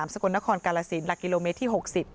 สกกรกรศิลป์หลักกิโลเมตรที่๖๐